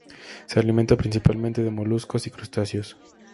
Se alimenta principalmente de moluscos y crustáceos.